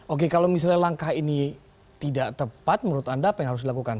oke kalau misalnya langkah ini tidak tepat menurut anda apa yang harus dilakukan